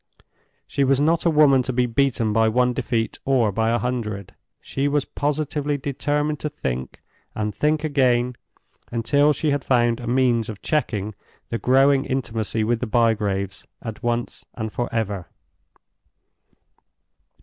She was not a woman to be beaten by one defeat or by a hundred. She was positively determined to think, and think again, until she had found a means of checking the growing intimacy with the Bygraves at once and forever.